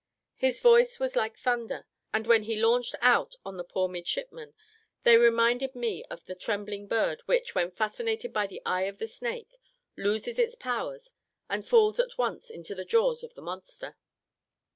His voice was like thunder, and when he launched out on the poor midshipmen, they reminded me of the trembling bird which, when fascinated by the eye of the snake, loses its powers, and falls at once into the jaws of the monster.